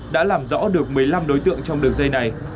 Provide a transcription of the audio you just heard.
đã làm rõ được một mươi năm đối tượng trong đường dây này